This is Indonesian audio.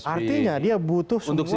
artinya dia butuh semua